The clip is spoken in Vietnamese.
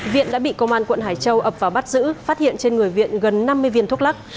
viện đã bị công an quận hải châu ập vào bắt giữ phát hiện trên người viện gần năm mươi viên thuốc lắc